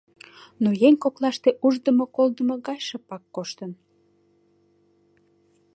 Но еҥ коклаште уждымо-колдымо гай шыпак коштын.